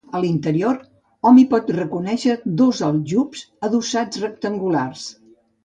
A l'interior, hom hi pot reconèixer dos aljubs adossats rectangulars.